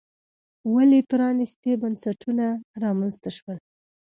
ولې پرانیستي بنسټونه رامنځته شول.